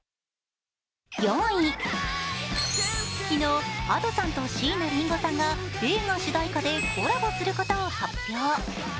４位、昨日、Ａｄｏさんと椎名林檎さんが映画主題歌でコラボすることを発表。